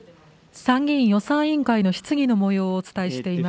参議院予算委員会の質疑のもようをお伝えしています。